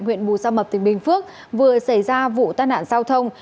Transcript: huyện bù gia mập tỉnh bình phước vừa xảy ra vụ tai nạn giao thông